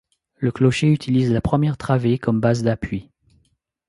Le clocher utilise la première travée comme base d’appui.